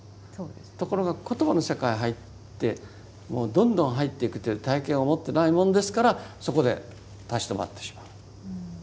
ところが言葉の世界へ入ってもうどんどん入っていくという体験を持ってないもんですからそこで立ち止まってしまう。